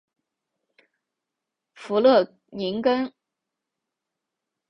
弗勒宁根。